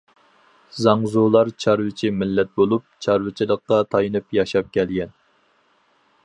زاڭزۇلار چارۋىچى مىللەت بولۇپ، چارۋىچىلىققا تايىنىپ ياشاپ كەلگەن.